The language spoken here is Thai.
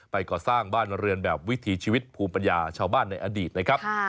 ก่อสร้างบ้านเรือนแบบวิถีชีวิตภูมิปัญญาชาวบ้านในอดีตนะครับ